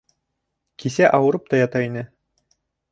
Кисә ауырып та ята ине.